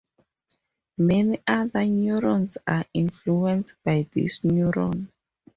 Many other neurons are influenced by this neuron.